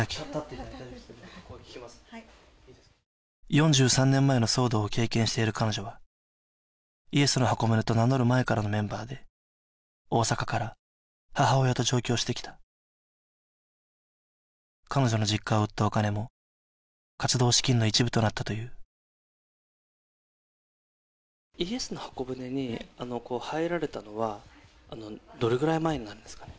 ４３年前の騒動を経験している彼女はイエスの方舟と名乗る前からのメンバーで大阪から母親と上京してきた彼女の実家を売ったお金も活動資金の一部となったというイエスの方舟にこう入られたのはどれぐらい前になるんですかね？